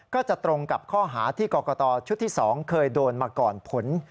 ก็จะตรงกับข้อหาที่กรกตชุดที่๒เคยโดนมาก่อนผล